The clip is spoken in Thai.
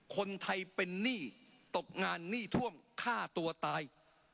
คนไทยเป็นหนี้ตกงานหนี้ท่วมฆ่าตัวตาย